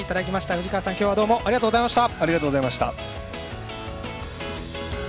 藤川さん、今日はどうもありがとうございました。